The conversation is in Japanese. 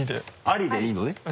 ありでいいのね？